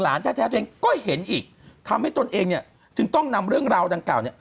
หลานแท้ตัวเองก็เห็นอีกทำให้ตัวเองถึงต้องนำเรื่องราวดังกล่าว